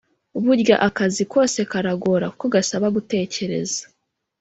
Burya akazi kose karagora kuko gasaba gutekereza